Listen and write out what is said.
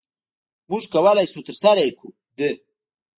مونږ کولی شو ترسره يي کړو د